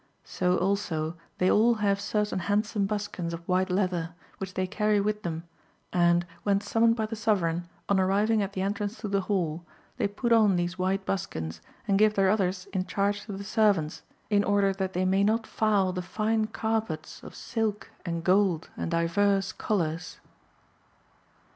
^ So also they all have certain handsome buskins of white leather, which they carry with them, and, when summoned by the sovereign, on arriving at the entrance to the hall, they put on these white buskins, and give their others in charge to the servants, in order that they may not foul the fine carpets of silk and gold and divers colours.